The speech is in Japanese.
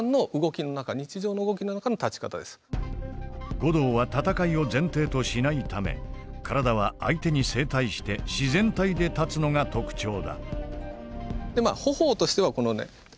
護道は戦いを前提としないため体は相手に正対して自然体で立つのが特徴だ。